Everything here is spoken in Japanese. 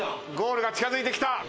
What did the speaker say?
ゴールが近づいてきた！